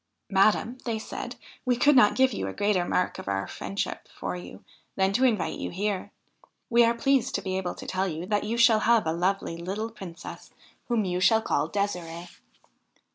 ' Madam/ they said, ' we could not give you a greater mark of our friendship for you, than to invite you here. We are pleased to be able to tell you that you shall have a lovely little Princess whom you shall call Ddsirde.